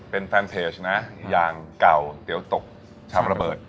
เป็นแฟนเพจนะอย่างเก่าเตี๋ยวตกชามระเบิด